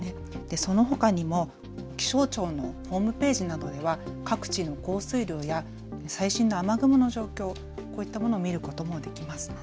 そのほかにも気象庁のホームページなどでは各地の降水量や最新の雨雲の状況、こういったものを見ることもできます。